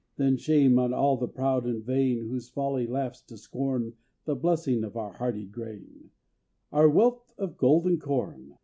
Then shame on all the proud and vain, Whose folly laughs to scorn The blessing of our hardy grain, Our wealth of golden corn!